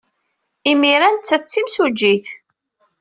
Imir-a, nettat d timsujjit.